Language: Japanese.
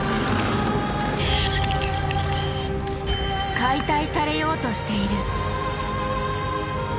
解体されようとしている。